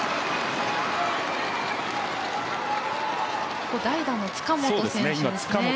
ここ、代打の塚本選手ですね。